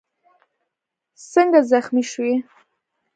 څنګه زخمي شوی یې؟